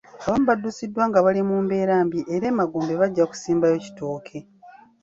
Abamu baddusiddwa mu ddwaliro nga bali mu mbeera mbi era emagombe bajja kusimbayo kitooke.